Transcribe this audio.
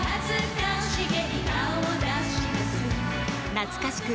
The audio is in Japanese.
懐かしく